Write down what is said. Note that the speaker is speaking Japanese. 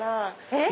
えっ？